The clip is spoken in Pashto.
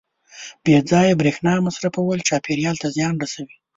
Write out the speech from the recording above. • بې ځایه برېښنا مصرفول چاپېریال ته زیان رسوي.